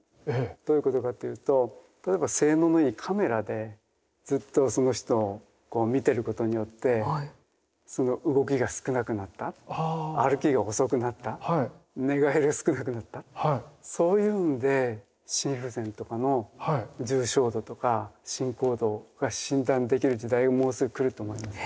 どういうことかというと例えば性能のいいカメラでずっとその人を見てることによってその動きが少なくなった歩きが遅くなった寝返りが少なくなったそういうので心不全とかの重症度とか進行度が診断できる時代がもうすぐ来ると思います。